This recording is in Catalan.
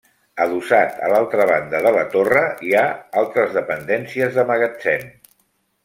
Adossat a l'altra banda de la torre hi ha altres dependències de magatzem.